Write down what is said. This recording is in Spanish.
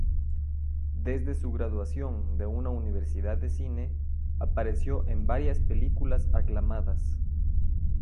Desde su graduación de una universidad de cine, apareció en varias películas aclamadas.